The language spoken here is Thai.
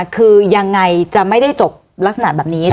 คือยังไงจะไม่ได้จบลักษณะแบบนี้